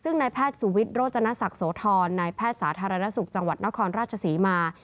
ซึ่งในแพทย์สูวิทโรจนสักโสทรในแพทย์สาธารณสุขจังหวัดนครราชสีมา